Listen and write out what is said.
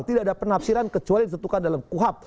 tidak ada penafsiran kecuali ditentukan dalam kuhap